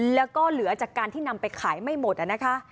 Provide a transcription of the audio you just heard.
แล้วก็เหลือจากการที่นำไปขายไม่หมดนะคะ